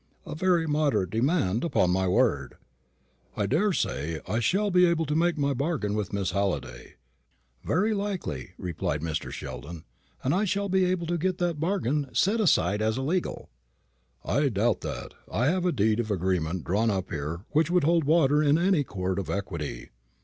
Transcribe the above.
"A very moderate demand, upon my word!" "I daresay I shall be able to make my bargain with Miss Halliday." "Very likely," replied Mr. Sheldon; "and I shall be able to get that bargain set aside as illegal." "I doubt that. I have a deed of agreement drawn up here which would hold water in any court of equity."